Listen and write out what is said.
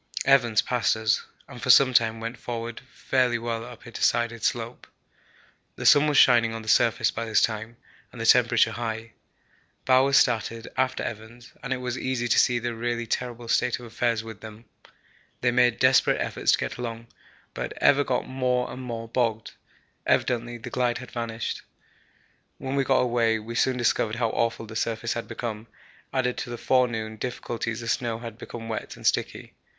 Evans passed us, and for some time went forward fairly well up a decided slope. The sun was shining on the surface by this time, and the temperature high. Bowers started after Evans, and it was easy to see the really terrible state of affairs with them. They made desperate efforts to get along, but ever got more and more bogged evidently the glide had vanished. When we got away we soon discovered how awful the surface had become; added to the forenoon difficulties the snow had become wet and sticky.